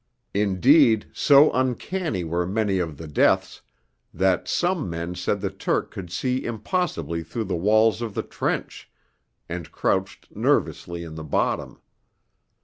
Indeed, so uncanny were many of the deaths, that some men said the Turk could see impossibly through the walls of the trench, and crouched nervously in the bottom.